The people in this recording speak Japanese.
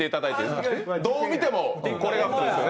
どう見てもこれがフォークですよね。